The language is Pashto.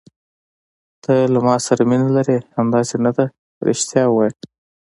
ته له ما سره مینه لرې، همداسې نه ده؟ رښتیا وایه.